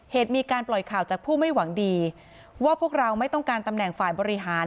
เหตุมีการปล่อยข่าวจากผู้ไม่หวังดีว่าพวกเราไม่ต้องการตำแหน่งฝ่ายบริหาร